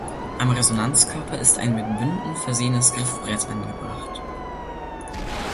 Am Resonanzkörper ist ein mit Bünden versehenes Griffbrett angebracht.